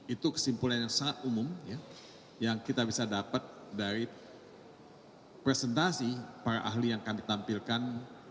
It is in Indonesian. itu kesimpulan yang sangat umum yang kita bisa dapat dari presentasi para ahli yang kami tampilkan